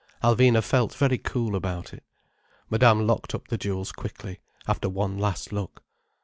Alvina felt very cool about it. Madame locked up the jewels quickly, after one last look.